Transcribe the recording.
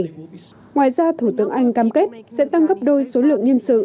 ngoài ra thủ tướng anh cam kết sẽ tăng gấp đôi số lượng nhân sự